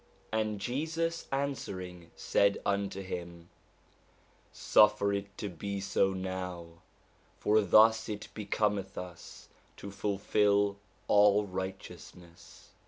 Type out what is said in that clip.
And Jesus answering said unto him, Suffer it to be so now: for thus it becometh us to fulfil all righteousness.